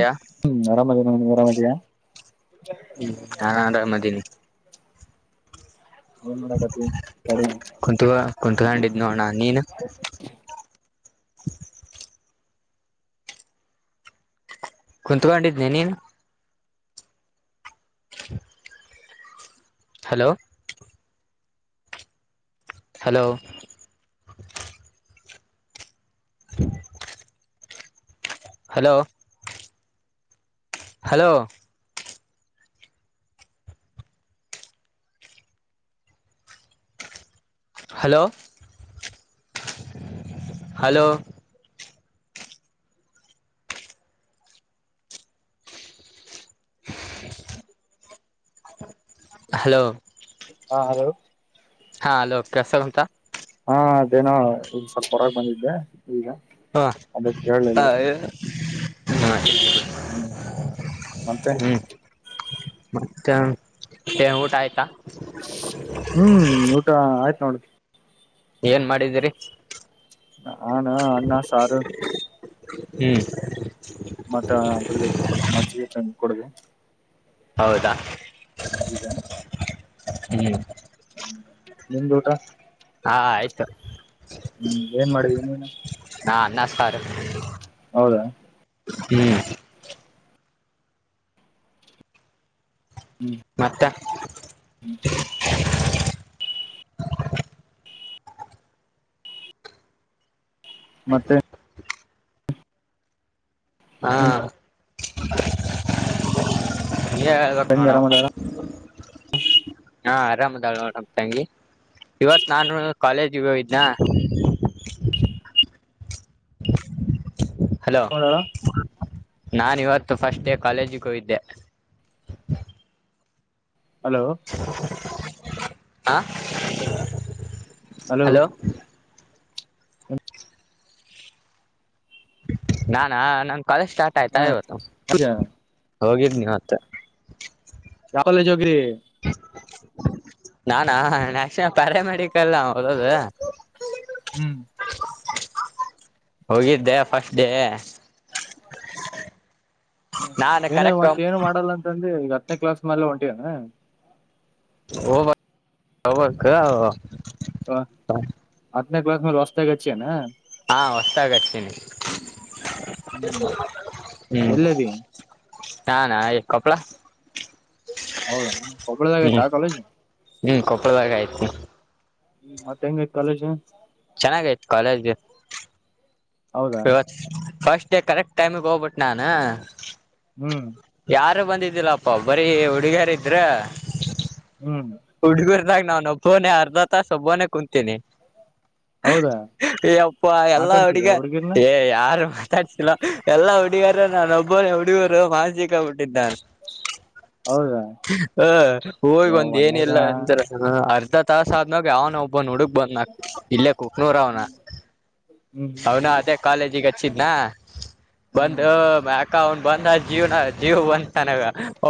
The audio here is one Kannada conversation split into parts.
ಯ ಹ್ಮ್ ಅರಾಮದ ನಿ ಅರಾಮತಯಾ ಹ್ಮ್ ನಾ ಆರಾಮದೀನಿ ಏನ್ ಮಾಡಕತಿ ತಡಿ ಕುಂತ್ ಕುಂತ್ಕೊಂಡಿದ್ ನೋಣ ನೀನ್ ಕುಂತ್ಕೊಂಡಿದನಿ ನೀನು ಹಲೋ ಹಲೋ ಹ hello hello hello hello hello ಹಾ ಹಲೋ ಹಾ ಅಲೋ ಕೆಸಗಂಟಾ ಹಾ ಅದೇನೋ ಸ್ವಲ್ಪ ಹೊರಗೆ ಬಂದಿದ್ದೆ ಈಗ ಹ ಅದಕ್ಕೆ ಕ ನು ಹ್ಮ್ ಮತ್ತೆ ಮತ್ತೆ ಊಟ ಆಯ್ತಾ ಹ್ಮ್ ಊಟ ಆಯ್ತು ನೋಡುದು ಏನ್ ಮಾಡಿದೀರಿ ಹಾಾನ ಅನ್ನ ಸಾರು ಹ್ಮ್ ಮತ್ತ ಅದ್ರ ಜೊತೆ ಸ್ವಲ್ಪ ಮಜ್ಜಿಗೆ ಟ್ರೈನಿಂಗ್ ಕೊಡಬೇಕ ಹೌದಾ ಹ್ಮ್ ನಿಮ್ದ ಊಟ ಹಾ ಆಯ್ತು ಹ್ಮ್ ಏನ್ ಮಾಡವಿ ನೀವನು ಹಾ ನಷ್ಟತಾರ ಹೌದಾ ಹ್ಮ್ ಮತ್ತೆ ಹ ಮತ್ತೆ ಹಾ ನಿಮ್ ಇಕ್ ತಂಗಿ ಮಾಡೋಡಾವ ಆರಾಮ ಅದಾಳ ಹಾಂ ಆರಾಮದಾಳ ತಂಗಿ ಇವತ್ತು ನಾನು ಕಾಲೇಜಿಗೆ ಇದನಾ ಹ ಹಲೋ ನಾನ ಇವತ್ತು ಫಸ್ಟ್ ಡೇ ಕಾಲೇಜಿಗೆ ಹೋೋಗ್ದೆ ಹಲೋ ಆಾ ಹಲೋ ಹ ನಾನಾ ನನ್ ಕಾಲೇಜ್ ಸ್ಟಾರ್ಟ್ ಹ ಆಯ್ತಾ ಇವತ್ತು ಯಾವ ಹೋಗಿದ್ ನೀ ಮತ್ತೆ ಯಾವ ಕಾಲೇಜ್ ಹೋಗ್ರಿ ನಾನಾ ನಕ್ಷ ಪರ ಮಾಡಿಕಲ್ಲ ಹದದ ಹ್ಮ್ ಹೋಗಿದ್ದೆ ಫಸ್ಟ್ ಡೇ ಹ್ಮ್ ನಾನು ಏನು ಕರೆಕ್ಟ್ ಮತ್ತ ಏನು ಮಾಡಲ್ಲ ಅಂತ ಅಂದಿ ಈಗ ಹತ್ತನೇ ಕ್ಲಾಸ್ ಮೇಲೆ ಹೊಂಟಿಯನ. ಹೋಗ್ಬ ಹೋಗ್ಬೇಕು. ಹಾ ಹತ್ನ ಕ್ಲಾಸ್ ಮೇಲೆ ವಸ್ತಗಿ ಅಚ್ಚಿಯೆನು. ಹಾ ಹೊಸ್ತಗಿ ಹಚ್ಚಿನಿ. ಹ್ಮ್ ಎಲ್ಲದಿ. ಹಾ ನಾನ ಕೊಪ್ಪಳ. ಹೌದಾ ನಿಮ ಹ್ಮ್ ಕೊಪ್ಪಳದಾಗೈತಾ ಆ ಕಾಲೇಜ್. ಹ್ಮ್ ಕೊಪ್ಪಳದಾಗ ಆಯ್ತಿ. ಹ್ಮ ಮತ್ತಂಗಾಯ್ತಾ ಕಾಲೇಜು. ಚೆನ್ನಾಗೈತ್ ಕಾಲೇಜು. ಹೌದಾ ಇವತ್ತು ಫಸ್ಟ್ ಡೇ ಕರೆಕ್ಟ್ ಟೈಮಿಗೆ ಹೋಗ್ಬಿಟ್ಟು ನಾನು. ಹ್ಮ್ ಯಾರು ಬಂದಿದ್ದಿಲ್ಲಪ್ಪ ಬರೀ ಹುಡುಗ್ಯಾರ ಇದ್ರ. ಹ್ಮ್. ಇದಾಗ ನಾನು ಒಬ್ಬನನೆ ಅರ್ಧ ತಾಸ ಒಬ್ಬನೆೇ ಕುಂತೀನಿ. ಹೌದಾ ಹುಂ ಯಪ್ಪ್ಪ ಎಲ್ಲಾ ಮಾತಾಡ್ಸಿದ ಹಡುಗ್ಯರು. ಹುಡ್ಗಿರ್ನ ಏ ಯಾರು ಮಾತಾಡ್ಸಿಲ್ಲಾ ಎಲ್ಲಾ ಹುಡಗ್ಯಾರ ನಾ ಒಬ್ಬನ ಹುಡಗರ ಮಾನಸಿಕ. ಇದ್ದಾರ. ಹೌದಾ ಹ ಹೋಗ್ ಒಂದ ಒಂದೇ ಏನಿಲ್ಲ ದಿನ ಅಂದ್ರೆ ಅರ್ಧ. ತಾಸ ಆದನಾಗ ಯಾವನ ಒಬ್ಬ ಹುಡುಕ್ ಬಂದ್ನ ಇಲ್ಲೇ ಕುಕ್ನೂರ ಅವನ ಹ್ಮ್ ಅವನ. ಹ್ಮ್ ಅಚಿದ್ನ ಬಂದ ಹ್ಮ್ ಅಂ. ಬಂದ ಜೀವನ ಜೀವ್ ಬಂತನಾಗ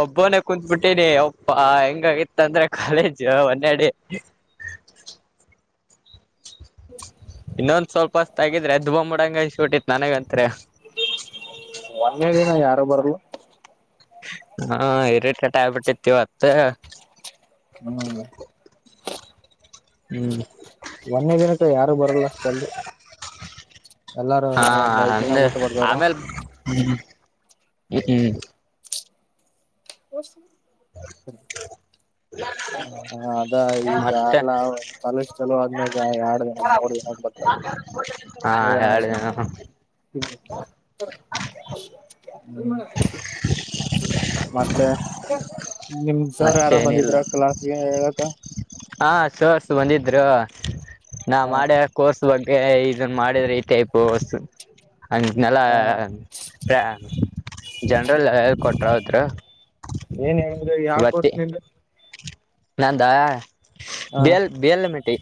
ಒಬ್ಬನ ಕುತ್ಬಿಟ್ಟೀನಿ ಒಪ್ಪ ಹೆಂಗಾಗಿತ್ತ ಅಂದ್ರೆ. ಕಾಲೇಜ್ ಒನ್ನೆಡೆ. ಹ [unintelligible] ಇನ್ನೊಂದ್ ಸ್ವಲ್ಪ ಅತ್ತಗಿದ್ರೆ ಎದ್ದು ಬಂದು ಬಿಡಂಗಕಟ್ಟಿತ್ ನನಗಂತ. ಒಂದನೇ ದಿನ ಯಾರು ಬರಲ್ಲ. ಹಾ ಹಿರಿಟೇಟ್ ಆಗ್ಬಿಟ್ಟಿತಿವತ್ತ. ಹ್ಮ. ಹ್ಮ್. ಒಂದನೇ ದಿನಕ್ಕೆ ಯಾರು ಬರಲ್ಲ ಅಷ್ಟ ಜಲ್ದಿ. ಎಲ್ಲಾರು ಹಾ ಒಂದ್ ಐದ್ ಅಂದ ದಿನಬಟ್ಟ ಬರ್ತಾರ. ಹ್ಮ ಹ್ಮ್. ಹಸ [unintelligible] ಹ [unintelligible] ಹ ಅದ ಈಗ ಎಲ್ಲ ಕಾಲೇಜ್ ಚಲೋ ಆದ್ಮ್ಯಾಗ ಎರಡು ದಿನ ಮೂರ್ ದಿನ ಬಿಟ್ಟು. ಹ. ಏನು [inaudible] ಹುಂ ಮತ್ತೆ. ನಿಮ್ ಸರ್ ಯಾರ ಮತ್ತೇನಿಲ್ಲ ಬಂದಿದ್ರ ಕ್ಲಾಸ್ ಗೆ ಹೇಳಕ. ಹಾ ಸೋರ್ಸ್ ಬಂದಿದ್ರು ನಾ ಹ ಮಾಡ್ಯ ಕೋರ್ಸ್ ಬಗ್ಗೆ. ಇದನ್ ಮಾಡಿದ್ರೆ ಈ ಟೈಪ್ಸ್ ಅ ನಲ್ಲ. ಹ ಜನರಲ್ ಹೇಳ್ ಕೊಟ್ರ ಹೋದರು. ಯಾವ್ ಕೋರ್ಸ್ ನಿಂದು. ನಂದ ಹಾ ಬೇಲ್ ಬೇಲ್ ಮೆಟಿ.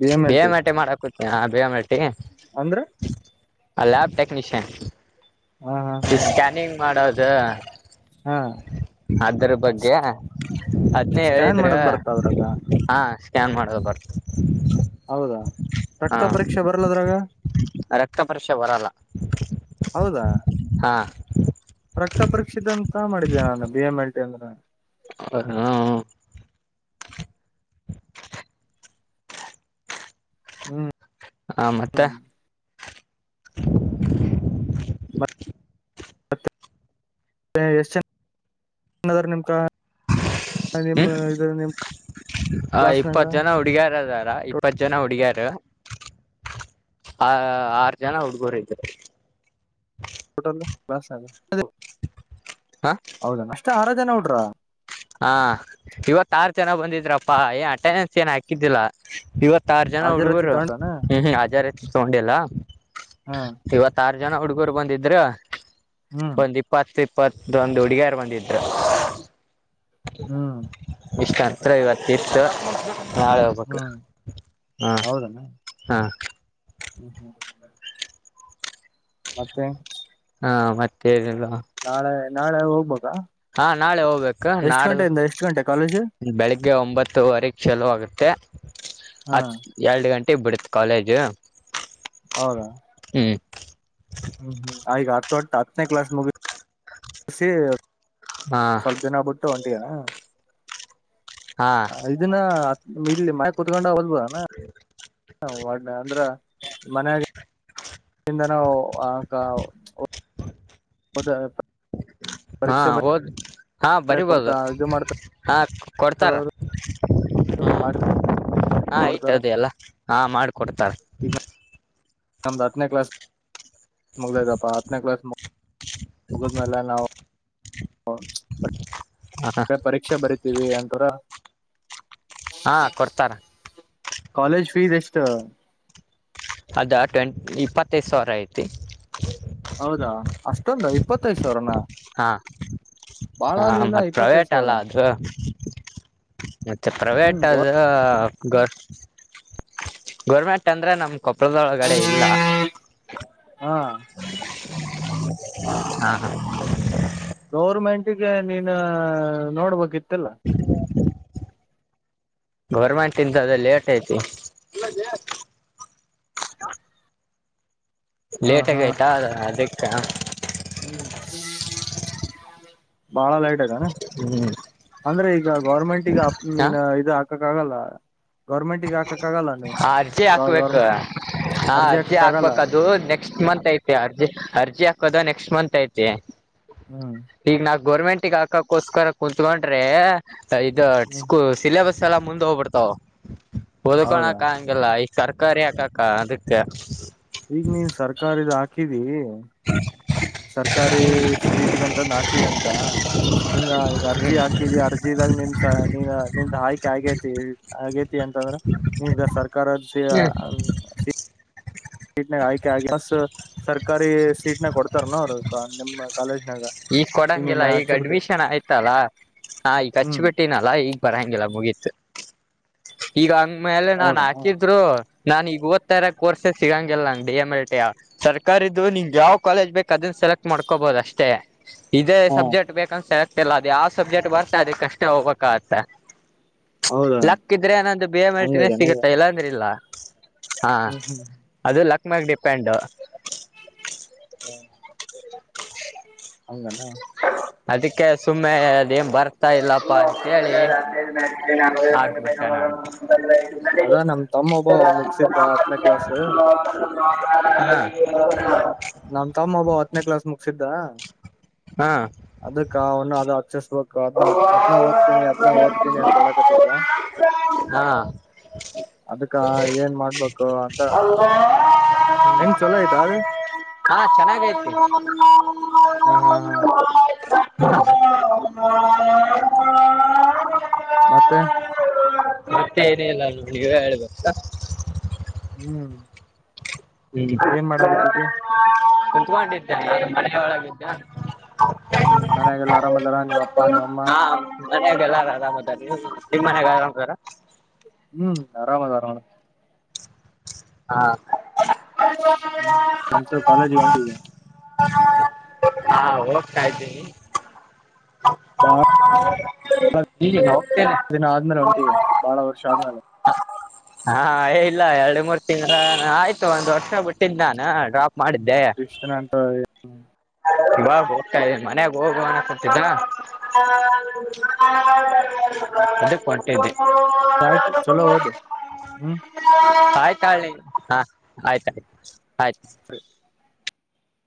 ಬಿ ಎಂ ಎಲ್ ಬೇವ ಟಿ ಮೇಟಿ ಮಾಡಾಕತಿನ ಬೇಯ ಮಟ್ಟಿ. ಅಂದ್ರೆ. ಹ ಲ್ಯಾಬ್ ಟೆಕ್ನಿಷಿಯನ್. ಹಾ ಹಾ ಹಾ ಸ್ಕ್ಯಾನಿಂಗ್ ಮಾಡೋದು ಹಾ ಅದ್ರ ಬಗ್ಗೆ. ಹದ್ನೇ ಸ್ಕ್ಯಾನ್ ಹೇಳಿದ್ರು ಮಾಡದ್ ಬರ್ತಾ ಅದ್ರಾಗ ಹಾ ಸ್ಕ್ಯಾನ್ ಮಾಡದು ಬರ್. ಹೌದಾ ರಕ್ತ ಪರೀಕ್ಷೆ ಬರ್ಲದ್ರಾಗ. ರಕ್ತ ಪರೀಕ್ಷೆ ಬರಲ್ಲ ಹೌದಾ ಹಾ ರಕ್ತ ಪರೀಕ್ಷಿತ ಅಂತ ಮಾಡಿದ್ದೇ ನಾನು ಬಿ ಎಂ ಎಲ್ ಟಿ ಅಂದ್ರೆ ಹ ಹಾ ಹ್ಮ್ ಹಾ ಮತ್ತೆ ಹ್ಮ್ [unintelligible] ಮತ್ತ ಎಷ್ಟ್ರ ನಿಮ್ ನಿಮ್ ಹ್ಮ ಇದು ನಿಮ್ ಹ ಕ್ಲಾಸ್ನಾಗ ಇಪ್ಪತ್ ಜನ ಹುಡುಗ್ಯಾರದಾರ ಇಪ್ಪತ್ ಜನ ಹುಡುಗ್ಯಾರ ಆ ಆರು ಜನ ಹುಡ್ಗರು ಇದರು ಹ ಹೌದಣ ಅಷ್ಟ ಆರ ಜನ ಹಡ್ರ ಹಾ ಇವತ್ತ ಆರು ಜನ ಬಂದಿದ್ರಪ್ಪ ಏ ಅಟೆಂಡೆನ್ಸ್ ಏನ್ ಹಾಕಿದ್ದಿಲ್ಲ ಇವತ್ತು ಇತ್ತ ಆಾರ ಜನ ಹಾಜರಾತಿ ಹುಡುಗರು ತಗೊಂಡಾನ ಹ್ಮ ಹಜಾರ್ತಿ ತಗೊಂಡಲ್ಲ ಹಾ ಇವತ್ತ ಆ ಜನ ಹುಡುಗರು ಬಂದಿದ್ರ ಹ್ಮ್ ಒಂದ್ ಇಪ್ಪತ್ತುಪ್ಪ ಇಪತೊಂದು ಹುಡುಗಾರ ಬಂದಿದರು ಹ್ಮ್ ಇಷ್ಟು ಹತ್ರ ಇವತ್ತಿತ್ತು ನಾಳೆ ಹೋಗಬಕ್ಕೆ ಹ್ಮ್ ಹಾ ಹಾ ಹ್ಮ ಹ್ಮ್ ಮತ್ತೆ ಹಾ ಮತ್ತೆ ನಾಳೆ ನಾಳೆ ಹೋಗ ಹಾ ನಾಳೆ ಹೋಗ್ಬೇಕು ನಾಡ್ದು ಗಂಟೆಯಿಂದ ಎಷ್ಟ್ ಗಂಟೆ ಕಾಲೇಜು ಬೆಳಿಗ್ಗೆ ಒಂಬತ್ತುವರೆ ಚಲೋ ಆಗುತ್ತೆ ಹಾ ಹತ್ತು ಎರಡು ಗಂಟೆ ಟ್ಟೆ ಬಿಡುತ್ತ ಕಾಲೇಜ್ ಹೌದಾ ಹ್ಮ್ ಹ್ಮ್ ಈಗ ಹತ್ತೊಟ್ಟ ಹತ್ತನೇ ಕ್ಲಾಸ್ ಮುಗಿಸಿ ಹಾ ಸ್ವಲ್ಪ ದಿನ ಬಿಟ್ಟು ಒಂಟಿಯ ಹಾ ಇದನ್ನ ಇಲ್ಲಿ ಮಯ ಕುತ್ಕೊಂಡ ಅವ [unintelligible] ಅಂದ್ರ ಮನ ಆಕ ಓಧ ಹಾ ಹಓದು ಹಾ ಬರಿಬೋದು ಕೊಡ್ತಾ ಇದು ಹಾ ಕೊಡ್ತಾರ ಹ್ಮ ಹ ಹಾ ಆಯ್ತದೆ ಎಲ್ಲ ಹಾ ಮಾಡಕೊಡ್ತಾರೆ ನಮ್ದು ಹತ್ತನೇ ಕ್ಲಾಸ್ ಮುಗಲದಪ್ಪಾ ಹತ್ತನೇ ಕ್ಲಾಸ್ ಮುಗದಮಲ್ಲ ನಾವು ಹ ಪರೀಕ್ಷೆ ಬರಿತೀವಿ ಅಂತರ ಹಾ ಕೊಡ್ತಾರ ಕಾಲೇಜ್ ಫೀಸ್ ಎಷ್ಟ ಅದ ಟ್ವೆಂಟ್ ಇಪ್ಪತ್ತೈದು ಸಾವಿರ ಐತಿ ಹೌದಾ ಅಷ್ಟೊಂದು ಇಪ್ಪತ್ತೈದ ಸಾವಿರನ ಹಾ ಬಾಳ ಹಾ ಮ ಆಗ್ಲಿಲ್ಲ ಇಪ್ಪತ್ತೈದ್ ಪ್ರೈವೇಟ್ ಅಲ್ಲ ಸಾವಿರ ಅದು ಮತ್ತೆ ಪ್ರೈವೇಟ್ ಹ್ಮ್ ಆದದು ಗರ್ ಗೋರ್ಮೆಂಟ್ ಅಂದ್ರೆ ನಮ್ ಕೊಪ್ಪಳದೊಳಗಡೆ ಇಲ್ಲ ಹಾ ಹಾ ಹಾ ಗೌರ್ಮೆಂಟಗೆ ನೀನು ನೋಡ್ಬೇಕಿತ್ತಲ್ಲ [inaudible] ಗೌರ್ಮೆಂಟ್ ಇಂತ ಅ ಲೇಟ್ ಆಯ್ತು ಲೇಟಗ ಆಯ್ತಾ ಅದಕ್ಕ ಹ್ಮ್ ಬಾಳ ಲೈಟ್ ಅದಾನ ಹ್ಮ್ ಅಂದ್ರೆ ಈಗ ಗೌರ್ಮೆಂಟ್ ಈಗ ಅ ಹ ಮೀನ್ ಇ ಹಾಕಕ್ ಆಗಲ್ಲ ಗೌರ್ಮೆಂಟಗ ಹಾಕಕ್ಕ ಆಗಲ್ಲ ನೀನ್ ಆ ಅರ್ಜಿ ಗ ಗರ್ ಹಾಕ್ಬೇಕು ಹಾ ಅರ್ಜಿ ಹಾಕಕ್ ಆಗಲ್ಲ ಹಾಕ್ಬೇಕ ಅದು ನೆಕ್ಸ್ಟ್ ಮಂತ್ ಐತೆ ಅರ್ಜಿ ಅರ್ಜಿ ದ ನೆಕ್ಸ್ಟ್ ಮಂತ್ ಐತಿ ಹ್ಮ್ ಗೋರ್ಮೆಂಟ್ಗ ಹಾಕಕೋಸ್ಕರ ಕುೂಂತ್ಕೊಂಡ್ರೆ ಇದು ಸ್ಕೂ ಸಿಲೆಬಸ್ ಎಲ ಮುಂದ್ ಹೋಗ್ಬಿಡ್ತಾವ ಹೌದಾ ಓದ್ಕೋಳಕ ಹಂಗಲ್ಲ ಇಷ್ಟ ತರ್ಕಾರಿ ಆಕಕ್ಕ ಅದಕ್ಕೆ ಈಗ ನೀನ್ ಸರ್ಕಾರದು ಹಾಕಿದಿ ಸರ್ಕಾರಿ ಸೀಟಗಂತ ಹಾಕಿದನ್ಕ ನಿಂಗ ಈಗ ಅರ್ಜಿ ಹ್ಮ್ ಹಾಕಿದಿ ಅರ್ಜಿ ಾಗ ನಿಮ ನಿಮ ಆಯ್ಕೆ ಆಗೇತಿ ಆಗೇತಿ ಅಂತಂದ್ರ ನಿಮ ಸರ್ಕಾರದ ಹ್ಮ್ ಹ್ಮ ಸೀಟ್ ನಾಗ ಆಯ್ಕೆ ಆಗ ಬಸ್ ಸರ್ಕಾರಿ ಸೀಟ್ನಾಗ ಕೊಡ್ತಾರ ನೋ ಅವ್ರ ನಿಮ್ಮ ಕಾಲೇಜ್ ಈಗ ಕೊಡಂಗಿಲ್ಲ ಈಗ ಅಡ್ಮಿಷನ್ ಆಯ್ತಲ್ಲ ನಾ ಈಗ ಹಚ್ ಹ್ಮ್ ಬಿಿಟ್ಟನಲ್ಲಾ ಈಗ ಬರಂಗಿಲ್ಲ ಮುಗೀತ ಈಗ ಅಂಗ್ಮೇಲೆ ಹೌದನಾ ನಾನ್ಹಾಕಿದ್ರು ನಾನ್ ಇವತ್ತರ ಕೋರ್ಸಸ್ ಸಿಗಂಗಲ್ಲ ನಂಗಗೆ ಡಿ ಎಂ ಎಲ್ ಟ ಸರ್ಕಾರು ನಿಂಗ್ ಯಾವ ಕಾಲೇಜ್ ಬೇಕ ಅದನ್ ಸೆಲೆಕ್ಟ್ ಮಾಡ್ಕೊಬೋದು ಅಷ್ಟೇ ಇದೇ ಹಾ ಸಬ್ಜೆಕ್ಟ್ ಬೇಕನ್ಸ ಹಗ್ತಿಲ್ಲ ಅದು ಯಾವ್ ಸಬ್ಜೆಕ್ಟ್ ಬರ್ತಾ ಅದ ಕಷ್ಟ ಹೋಗ್ಬೇಕಾಗತ್ತೆ ಹೌದಾ ಲಕ್ಕಿದ್ರೆ ನನೊಂದು ಬಯ ಮೆಲ್ಟಿನೇ ಹಂಗದನ ಸಿಗುತ್ತಾ ಇಲ್ಲಾಂದ್ರ ಇಲ್ಲ ಹಾ ಹ್ಮ್ ಹ್ಮ್ ಅದು ಲಕ್ ಮ್ಯಾಗ ಡಿಪೆಂಡ ಹಂಗಡ ಅದಕ್ಕೆ ಸುಮ್ಮನೆ ಅದೇನ್ ಬರ್ತಾ ಇಲ್ಲ ಪಸಳ ಹಾ ಬ ಅದ ನಮ್ ತಮ್ಮ ಒಬ್ಬ ಮುಗಸಿದ್ದ ಹತ್ತನೇ ಕ್ಲಾಸ್ ನ ನಮ ತಮ್ಮ ಒಬ್ಬ ಹತ್ತನೇ ಕ್ಲಾಸ್ ಮುಗಸಿದ್ದ ಹಾ ಅದಕ್ಕೆ ಅವನು ಅದು ಆಕ್ಷಸ್ಬೇಕ ಅದ್ ಅದ್ನ ಓದ್ತೀನಿ ಅದ್ನ ಓದ್ತೀನಿ ಅಂತ ಹೇಳಕತಿದ್ದ ಹಾ ಅದಕ್ಕ ಏನ್ ಮಾಡ್ಬೇಕು ಅಂತ ಹ್ಮ್ ಹೆಂಗ ಚಲೋ ಆಯ್ತಾ ಆದ ಹಾ ಚೆನ್ನಾಗೈತಿ ಹ ಹಾ ಹಾ ಮತ್ತೆ ಮತ್ತೆ ಏನ ಇಲ್ಲ ನಗ ಹೇಳ್ಬೇಕಾ ಹ್ಮ್ ಹ್ಮ್ ಏನ್ ಮಾಡಕತಿದ್ದಿ ಕುತ್ಕೊಂಡಿದ್ದೇನೆ ಮನೆಯ ಒಳಗಿದ್ದೇ ಹ್ಮ್ ಮನ್ಯಾಗೆಲ್ಲ ಆರಾಮದಾರ ನಿವ ಅಪ್ಪಾ ನಿವಮ್ಮ ಮನ್ಯಾಗಲ್ಲಾರ ಆರಾಮದ ನಿಮ್ ಮನ್ಯಾಗ ಆರಾಮ್ದಾರ ಹ್ಮ್ ಆರಾಮದ ಆರಾಮಲ ಹಾ ಹ್ಮ ನಮಸ ಕಾಲೇಜ ವಂಡಿದೆ ಹಾ ಹೋಗ್ತ ಇದ್ದೀನಿ ಬಾಳ ಈ ನ ಇದಿನ ಆದ್ಮೇಲೆ ಹೊಂಟೀ ಬಾಳ ವರ್ಷ ಆದ್ಮೇಲೆ ಹಾ ಇಲ್ಲ ಎರಡು ಮೂರು ತಿಂಗಳ ಆಯ್ತು ಒಂದ್ ವರ್ಷ ಬಿಟ್ಟಿದ್ದ ನಾನು ಡ್ರಾಪ್ ಮಾಡಿದ್ದೆ ಷ್ಟನೆ ಎಂತ ಹೋಗ್ತಾ ಇದ ಮನೆಾಗ ಹೋಗನ ಕೊತಿದ್ದ ಅದೇ ಹೊಂಟ್ದೆ ಆಯ್ತು ಚಲೋ ಹೌದು ಹ್ಮ್ ಆಯ್ತಾಿ ಹಾ ಆಯ್ತ ಆಯ್ತು ಆಯ್ತು